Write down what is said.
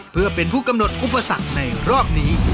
เพื่อเป็นผู้กำหนดอุปสรรคในรอบนี้